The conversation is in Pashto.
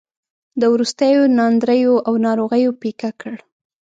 د وروستیو ناندریو او ناروغیو پېکه کړ.